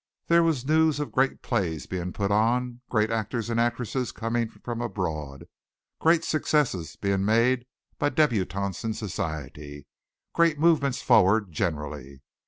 There was news of great plays being put on; great actors and actresses coming from abroad; great successes being made by débutantes in society; great movements forwarded generally.